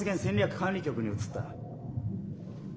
管理局に移った。